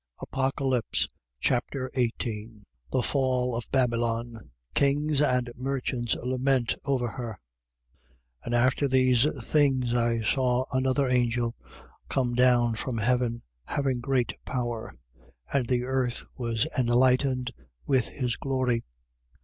Apocalypse Chapter 18 The fall of Babylon. Kings and merchants lament over her. 18:1. And after these things, I saw another angel come down from heaven, having great power: and the earth was enlightened with his glory.